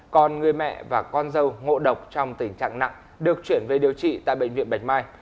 còn người mẹ và con dâu ngộ độc trong tình trạng nặng được chuyển về điều trị tại bệnh viện bạch mai